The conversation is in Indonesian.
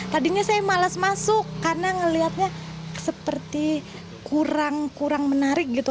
tadinya saya malas masuk karena ngeliatnya seperti kurang kurang menarik gitu